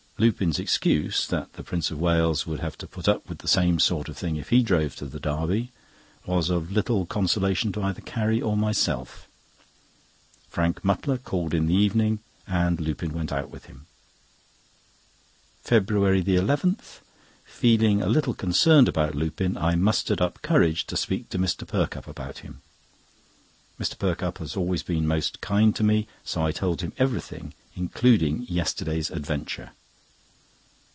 Lupin's excuse—that the Prince of Wales would have to put up with the same sort of thing if he drove to the Derby—was of little consolation to either Carrie or myself. Frank Mutlar called in the evening, and Lupin went out with him. FEBRUARY 11.—Feeling a little concerned about Lupin, I mustered up courage to speak to Mr. Perkupp about him. Mr. Perkupp has always been most kind to me, so I told him everything, including yesterday's adventure.